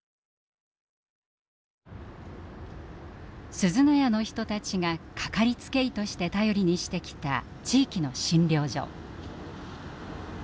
すずの家の人たちがかかりつけ医として頼りにしてきた地域の診療所。